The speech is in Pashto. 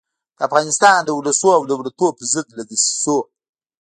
د افغانستان د اولسونو او دولتونو پر ضد له دسیسو.